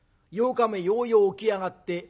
８日目ようよう起き上がって。